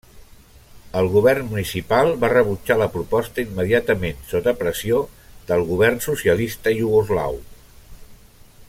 El govern municipal va rebutjar la proposta immediatament, sota pressió del govern socialista iugoslau.